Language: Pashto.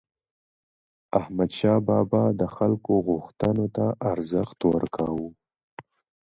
احمدشاه بابا د خلکو غوښتنو ته ارزښت ورکاوه.